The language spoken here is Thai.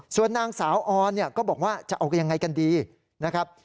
ส่วนนางสาวออนเนี่ยก็บอกว่าจะเอายังไงกันดีนะครับ